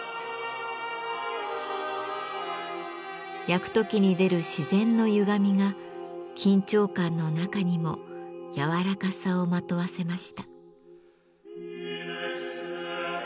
焼く時に出る自然のゆがみが緊張感の中にも柔らかさをまとわせました。